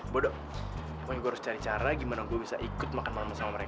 bodoh pokoknya gue harus cari cara gimana gue bisa ikut makan malam sama mereka